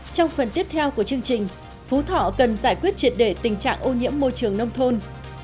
trong phần tiếp theo của chương trình phú thọ cần giải quyết triệt để tình trạng ô nhiễm môi trường nông thôn